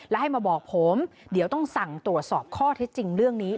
และให้มาบอกผมเดี๋ยวต้องสั่งตรวจสอบข้อเท็จจริงเรื่องนี้